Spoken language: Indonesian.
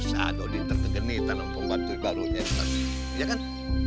usaha gausah dodi terkegeni tanam pembantu baru ya kan